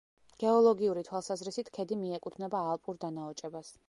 გეოლოგიური თვალსაზრისით ქედი მიეკუთვნება ალპურ დანაოჭებას.